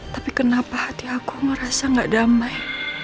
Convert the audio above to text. tapi kenapa hati aku merasa gak damai